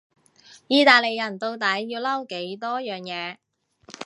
意大利人到底要嬲幾多樣嘢？